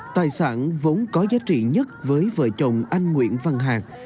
tài sản vốn có giá trị nhất với vợ chồng anh nguyễn văn hà